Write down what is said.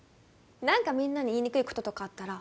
何かみんなに言いにくいこととかあったら